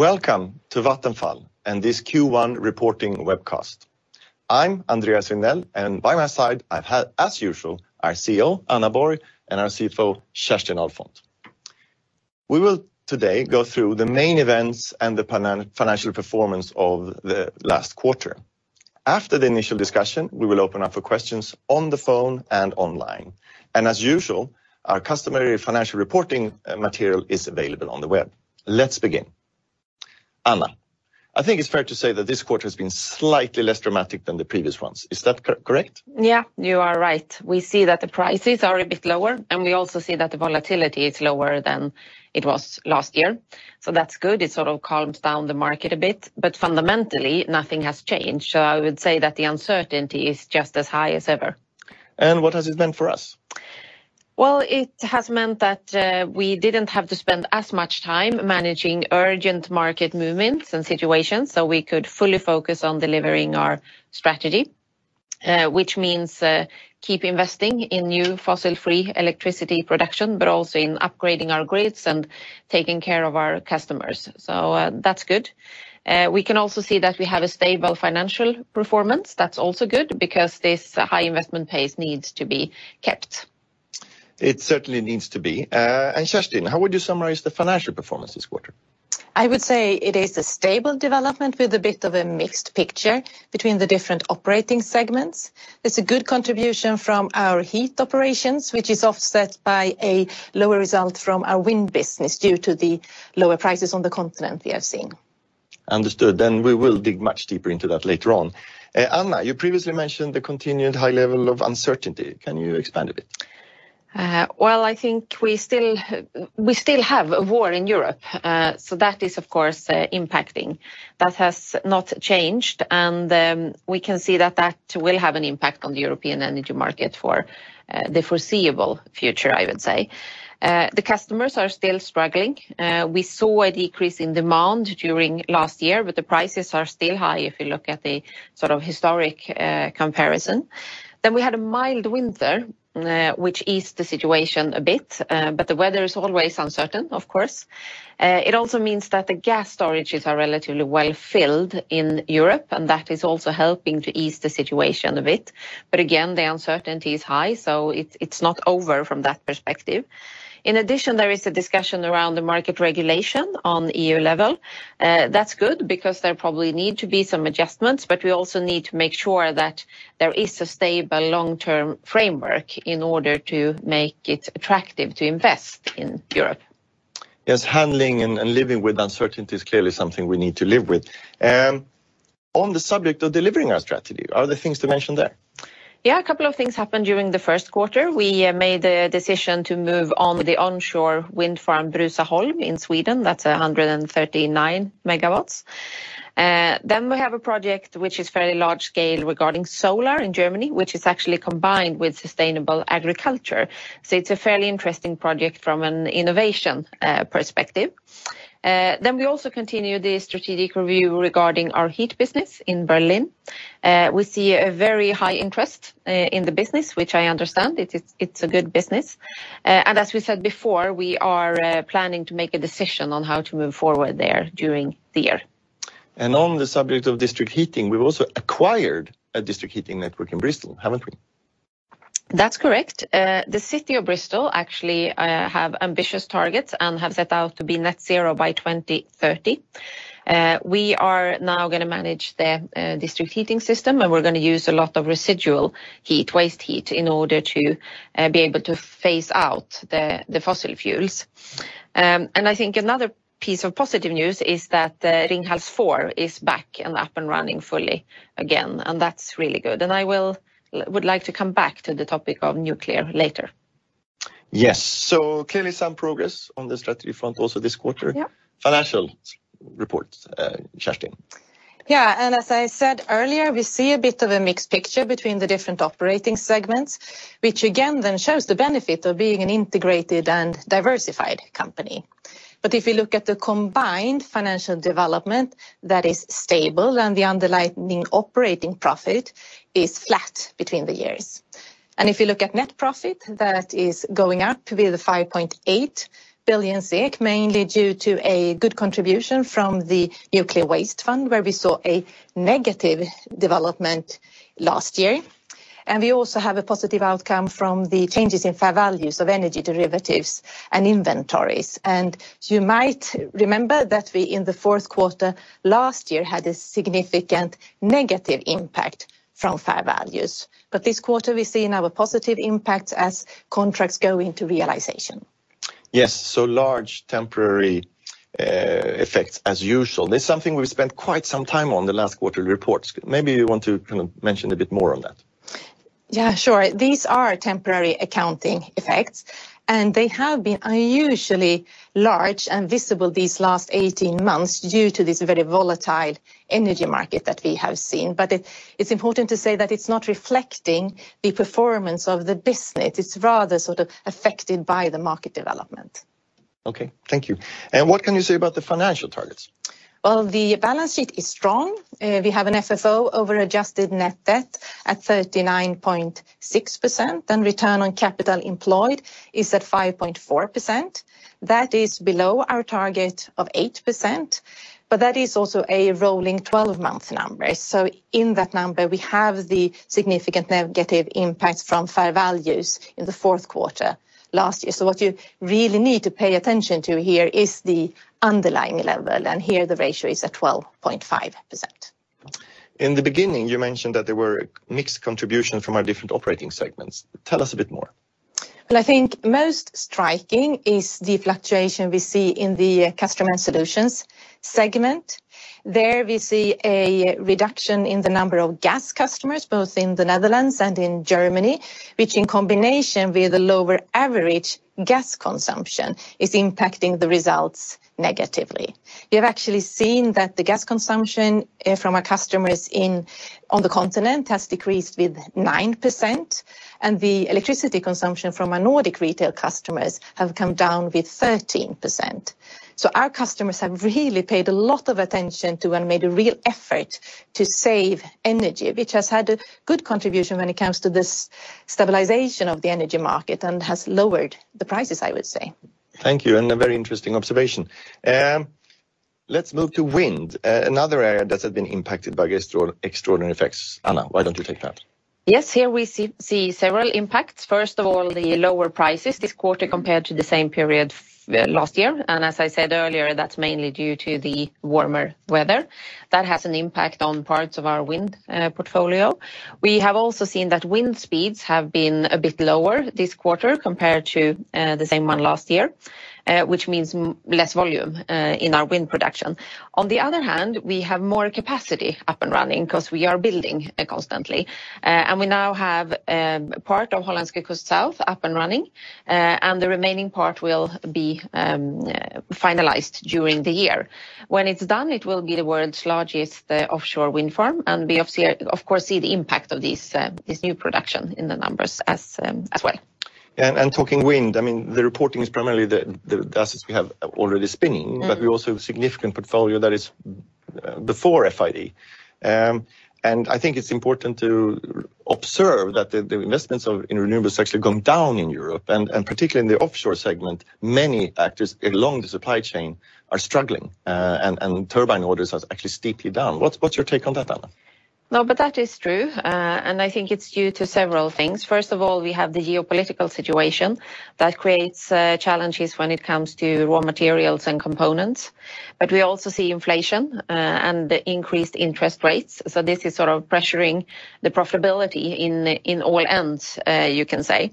Welcome to Vattenfall and this Q1 reporting webcast. I'm Andreas Regnell. By my side, I have, as usual, our CEO, Anna Borg, and our CFO, Kerstin Ahlfont. We will today go through the main events and the financial performance of the last quarter. After the initial discussion, we will open up for questions on the phone and online. As usual, our customary financial reporting material is available on the web. Let's begin. Anna, I think it's fair to say that this quarter's been slightly less dramatic than the previous ones. Is that correct? Yeah, you are right. We see that the prices are a bit lower. We also see that the volatility is lower than it was last year. That's good. It sort of calms down the market a bit. Fundamentally, nothing has changed. I would say that the uncertainty is just as high as ever. What has it meant for us? Well, it has meant that we didn't have to spend as much time managing urgent market movements and situations, so we could fully focus on delivering our strategy, which means keep investing in new fossil-free electricity production but also in upgrading our grids and taking care of our customers. That's good. We can also see that we have a stable financial performance. That's also good because this high investment pace needs to be kept. It certainly needs to be. Kerstin, how would you summarize the financial performance this quarter? I would say it is a stable development with a bit of a mixed picture between the different operating segments. It's a good contribution from our heat operations, which is offset by a lower result from our wind business due to the lower prices on the continent we have seen. Understood. We will dig much deeper into that later on. Anna, you previously mentioned the continued high level of uncertainty. Can you expand a bit? Well, I think we still have a war in Europe. That is, of course, impacting. That has not changed, and we can see that that will have an impact on the European energy market for the foreseeable future, I would say. The customers are still struggling. We saw a decrease in demand during last year, but the prices are still high if you look at the sort of historic comparison. We had a mild winter, which eased the situation a bit. The weather is always uncertain, of course. It also means that the gas storages are relatively well filled in Europe, and that is also helping to ease the situation a bit. Again, the uncertainty is high, so it's not over from that perspective. There is a discussion around the market regulation on the EU level. That's good because there probably need to be some adjustments, but we also need to make sure that there is a stable long-term framework in order to make it attractive to invest in Europe. Yes, handling and living with uncertainty is clearly something we need to live with. On the subject of delivering our strategy, are there things to mention there? A couple of things happened during the first quarter. We made a decision to move on with the onshore wind farm Bruzaholm in Sweden. That's 139 MW. We have a project which is fairly large scale regarding solar in Germany, which is actually combined with sustainable agriculture, so it's a fairly interesting project from an innovation perspective. We also continue the strategic review regarding our heat business in Berlin. We see a very high interest in the business, which I understand. It is, it's a good business. As we said before, we are planning to make a decision on how to move forward there during the year. On the subject of district heating, we've also acquired a district heating network in Bristol, haven't we? That's correct. The city of Bristol actually have ambitious targets and have set out to be net zero by 2030. We are now gonna manage the district heating system, and we're gonna use a lot of residual heat, waste heat in order to be able to phase out the fossil fuels. I think another piece of positive news is that the Ringhals 4 is back and up and running fully again, and that's really good. I would like to come back to the topic of nuclear later. Yes, clearly some progress on the strategy front also this quarter. Yeah. Financial report, Kerstin Ahlfont. As I said earlier, we see a bit of a mixed picture between the different operating segments, which again then shows the benefit of being an integrated and diversified company. If you look at the combined financial development, that is stable, and the underlying operating profit is flat between the years. If you look at net profit, that is going up. We have 5.8 billion, mainly due to a good contribution from the Nuclear Waste Fund where we saw a negative development last year, and we also have a positive outcome from the changes in fair values of energy derivatives and inventories. You might remember that we, in the fourth quarter last year, had a significant negative impact from fair values. This quarter, we're seeing now a positive impact as contracts go into realization. Large temporary effects as usual. It's something we've spent quite some time on the last quarter reports. Maybe you want to kind of mention a bit more on that. Yeah, sure. These are temporary accounting effects. They have been unusually large and visible these last 18 months due to this very volatile energy market that we have seen. It's important to say that it's not reflecting the performance of the business. It's rather sort of affected by the market development. Okay, thank you. What can you say about the financial targets? The balance sheet is strong. We have an FFO over adjusted net debt at 39.6%, and return on capital employed is at 5.4%. That is below our target of 8%, but that is also a rolling 12-month number. In that number, we have the significant negative impact from fair values in the fourth quarter last year. What you really need to pay attention to here is the underlying level, and here the ratio is at 12.5%. In the beginning, you mentioned that there were mixed contributions from our different operating segments. Tell us a bit more. I think most striking is the fluctuation we see in the Customers & Solutions segment. There we see a reduction in the number of gas customers, both in the Netherlands and in Germany, which in combination with the lower average gas consumption is impacting the results negatively. We have actually seen that the gas consumption from our customers on the continent has decreased with 9%, and the electricity consumption from our Nordic retail customers have come down with 13%. Our customers have really paid a lot of attention to and made a real effort to save energy, which has had a good contribution when it comes to this stabilization of the energy market and has lowered the prices, I would say. Thank you, a very interesting observation. Let's move to wind, another area that has been impacted by extraordinary effects. Anna, why don't you take that? Yes, here we see several impacts. First of all, the lower prices this quarter compared to the same period last year. As I said earlier, that's mainly due to the warmer weather. That has an impact on parts of our wind portfolio. We have also seen that wind speeds have been a bit lower this quarter compared to the same one last year, which means less volume in our wind production. On the other hand, we have more capacity up and running because we are building constantly. We now have part of Hollandse Kust South up and running, and the remaining part will be finalized during the year. When it's done, it will be the world's largest offshore wind farm. We of course see the impact of this new production in the numbers as well. Talking wind, I mean, the reporting is primarily the assets we have already spinning. Mm-hmm. We also have a significant portfolio that is before FID. I think it's important to observe that the investments in renewables has actually gone down in Europe, and particularly in the offshore segment, many actors along the supply chain are struggling. Turbine orders are actually steeply down. What's your take on that, Anna? That is true, and I think it's due to several things. First of all, we have the geopolitical situation that creates challenges when it comes to raw materials and components. We also see inflation and increased interest rates, this is sort of pressuring the profitability in all ends, you can say.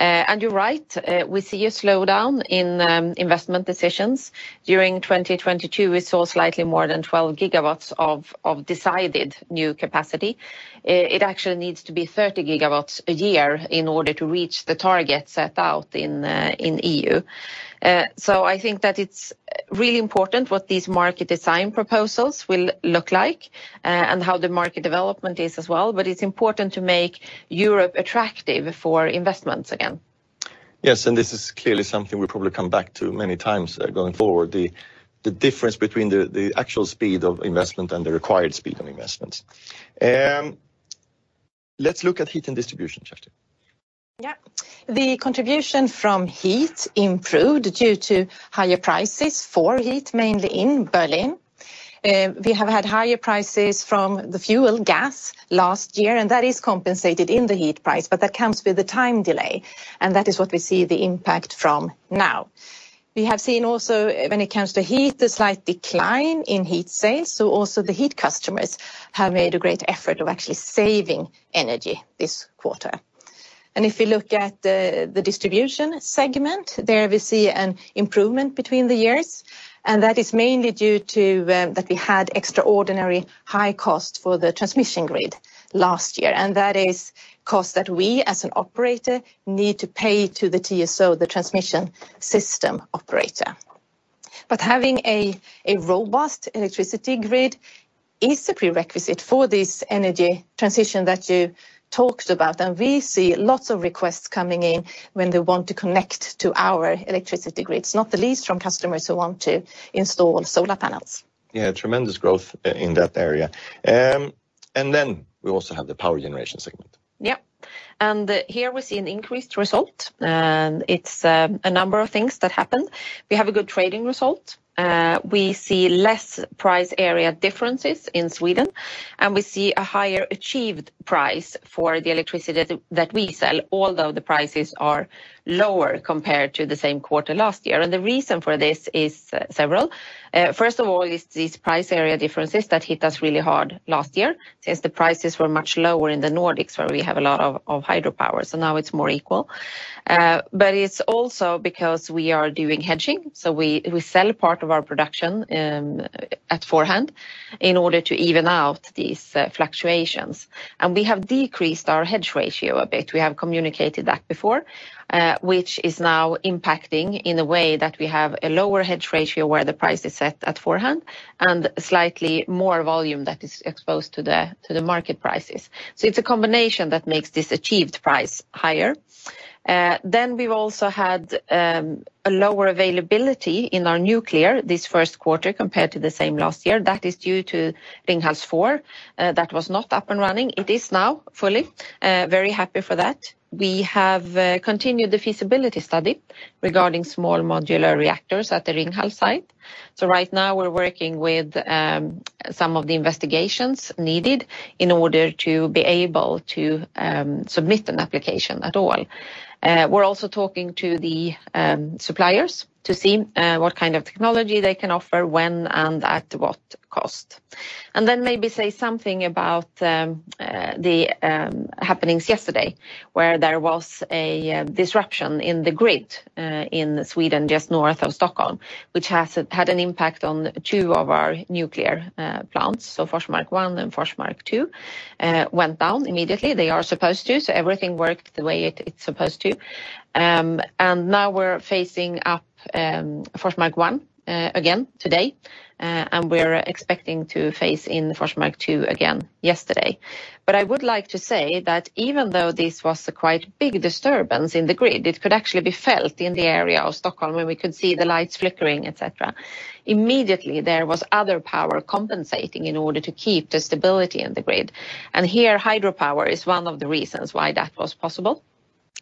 You're right, we see a slowdown in investment decisions. During 2022, we saw slightly more than 12 GW of decided new capacity. It actually needs to be 30 GW a year in order to reach the target set out in EU. I think that it's really important what these market design proposals will look like, and how the market development is as well, but it's important to make Europe attractive for investments again. This is clearly something we'll probably come back to many times going forward, the difference between the actual speed of investment and the required speed of investments. Let's look at heat and distribution, Kerstin Ahlfont. The contribution from heat improved due to higher prices for heat, mainly in Berlin. We have had higher prices from the fuel gas last year, and that is compensated in the heat price, but that comes with a time delay, and that is what we see the impact from now. We have seen also, when it comes to heat, a slight decline in heat sales, so also the heat customers have made a great effort of actually saving energy this quarter. If you look at the distribution segment, there we see an improvement between the years, and that is mainly due to that we had extraordinary high costs for the transmission grid last year. That is costs that we as an operator need to pay to the TSO, the transmission system operator. Having a robust electricity grid is the prerequisite for this energy transition that you talked about, and we see lots of requests coming in when they want to connect to our electricity grids, not the least from customers who want to install solar panels. Yeah, tremendous growth in that area. We also have the Power Generation segment. Here we see an increased result, and it's a number of things that happened. We have a good trading result. We see less price area differences in Sweden, and we see a higher achieved price for the electricity that we sell, although the prices are lower compared to the same quarter last year. The reason for this is several. First of all is these price area differences that hit us really hard last year, since the prices were much lower in the Nordics, where we have a lot of hydropower, so now it's more equal. It's also because we are doing hedging, so we sell part of our production at forehand in order to even out these fluctuations. We have decreased our hedge ratio a bit, we have communicated that before, which is now impacting in a way that we have a lower hedge ratio where the price is set at forehand and slightly more volume that is exposed to the market prices. It's a combination that makes this achieved price higher. We've also had a lower availability in our nuclear this first quarter compared to the same last year. That is due to Ringhals 4 that was not up and running. It is now fully. Very happy for that. We have continued the feasibility study regarding small modular reactors at the Ringhals site. Right now we're working with some of the investigations needed in order to be able to submit an application at all. We're also talking to the suppliers to see what kind of technology they can offer when and at what cost. Then maybe say something about the happenings yesterday, where there was a disruption in the grid in Sweden, just north of Stockholm, which has had an impact on 2 of our nuclear plants. Forsmark 1 and Forsmark 2 went down immediately. They are supposed to, so everything worked the way it's supposed to. Now we're phasing up Forsmark 1 again today, and we're expecting to phase in Forsmark 2 again yesterday. I would like to say that even though this was a quite big disturbance in the grid, it could actually be felt in the area of Stockholm, where we could see the lights flickering, et cetera. Immediately, there was other power compensating in order to keep the stability in the grid. Here hydropower is one of the reasons why that was possible,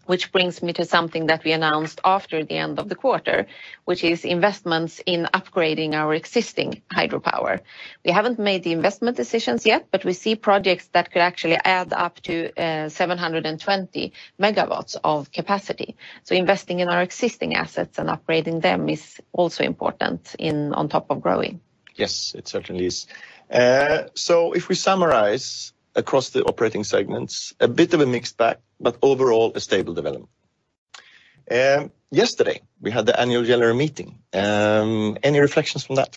which brings me to something that we announced after the end of the quarter, which is investments in upgrading our existing hydropower. We haven't made the investment decisions yet, but we see projects that could actually add up to 720 MW of capacity. Investing in our existing assets and upgrading them is also important in on top of growing. It certainly is. If we summarize across the operating segments, a bit of a mixed bag, but overall a stable development. Yesterday we had the annual general meeting. Any reflections from that?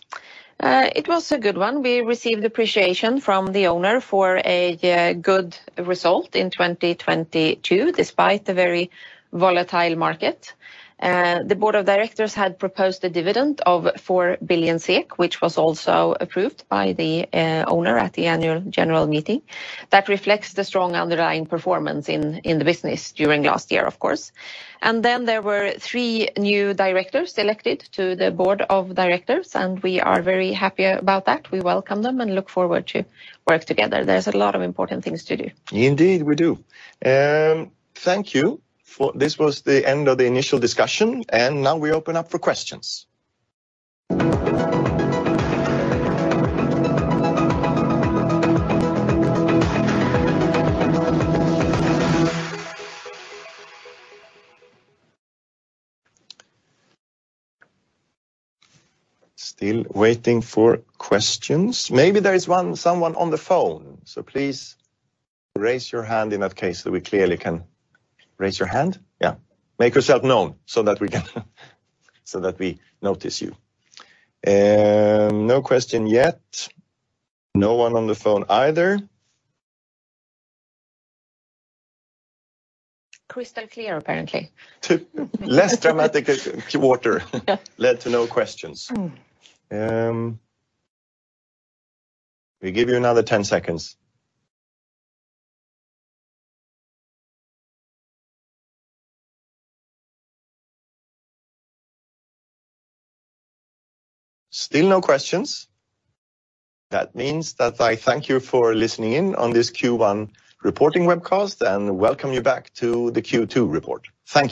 It was a good one. We received appreciation from the owner for a good result in 2022, despite the very volatile market. The board of directors had proposed a dividend of 4 billion SEK, which was also approved by the owner at the annual general meeting. That reflects the strong underlying performance in the business during last year, of course. Then there were three new directors elected to the board of directors, and we are very happy about that. We welcome them and look forward to work together. There's a lot of important things to do. Indeed, we do. This was the end of the initial discussion, now we open up for questions. Still waiting for questions. Maybe there is someone on the phone, so please raise your hand in that case so we clearly can. Raise your hand? Yeah. Make yourself known so that we notice you. No question yet. No one on the phone either. Crystal clear, apparently. Less dramatic quarter led to no questions. We give you another 10 seconds. Still no questions. I thank you for listening in on this Q1 reporting webcast and welcome you back to the Q2 report. Thank you.